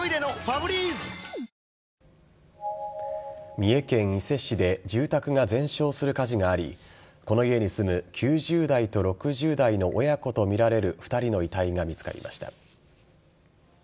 三重県伊勢市で住宅が全焼する火事がありこの家に住む９０代と６０代の親子とみられる２人の遺体が見つかりました。